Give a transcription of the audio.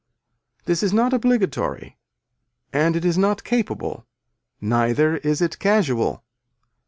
This is not obligatory and it is not capable, neither is it casual.